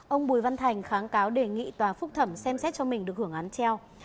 ông bùi văn thành kháng cáo đề nghị tòa phúc thẩm xem xét cho mình được hưởng án treo